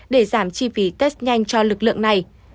để giảm chi phí test nhanh cho lực lượng này